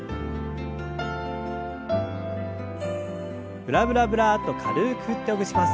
ブラブラブラッと軽く振ってほぐします。